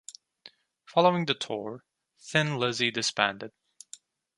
Following the tour, Thin Lizzy disbanded.